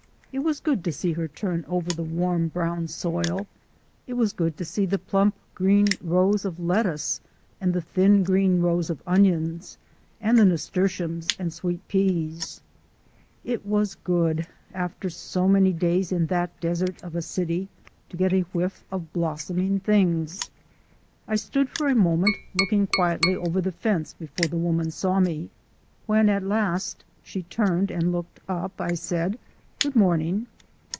It was good to see her turn over the warm brown soil; it was good to see the plump green rows of lettuce and the thin green rows of onions, and the nasturtiums and sweet peas; it was good after so many days in that desert of a city to get a whiff of blossoming things. I stood for a moment looking quietly over the fence before the woman saw me. When at last she turned and looked up, I said: "Good morning."